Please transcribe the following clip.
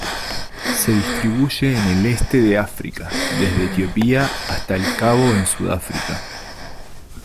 Se distribuye en el este de África, desde Etiopía hasta El Cabo en Sudáfrica.